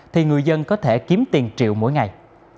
thì người dân có thể kiếm tiền triệu mỗi ngày